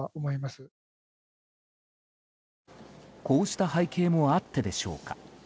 こうした背景もあってでしょうか。